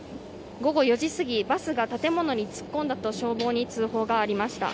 午後４時過ぎバスが建物に突っ込んだと消防に通報がありました。